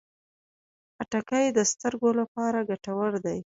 خټکی د سترګو لپاره ګټور دی.